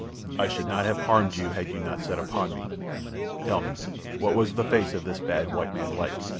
"I should not have harmed you had you not set upon me. Tell me, what was the face of this bad white man like?